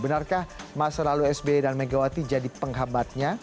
benarkah masa lalu sba dan megawati jadi penghambatnya